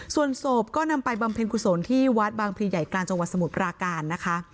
ส่วนศพก็นำไปบำเพ็ญกุศลที่วัดบางพลีใหญ่กลางจังหวัดสมุทรปราการนะคะ